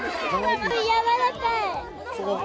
やわらかい。